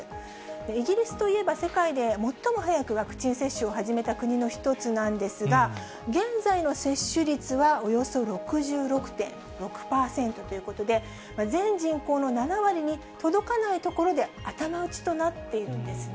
イギリスといえば世界で最も早くワクチン接種を始めた国の一つなんですが、現在の接種率はおよそ６６．６％ということで、全人口の７割に届かないところで頭打ちとなっているんですね。